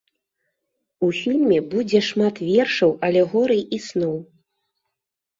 У фільме будзе шмат вершаў, алегорый і сноў.